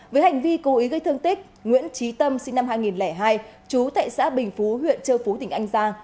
với hành vi cố ý gây thương tích nguyễn trí tâm sinh năm hai nghìn hai chú tại xã bình phú huyện châu phú tỉnh an giang